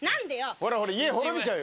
ほらほら家滅びちゃうよ。